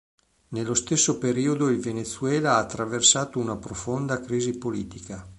Nello stesso periodo il Venezuela ha attraversato una profonda crisi politica.